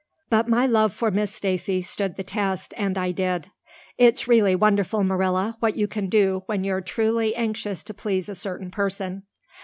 But my love for Miss Stacy stood the test and I did. It's really wonderful, Marilla, what you can do when you're truly anxious to please a certain person."